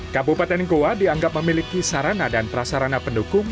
kabupaten goa dianggap memiliki sarana dan prasarana pendukung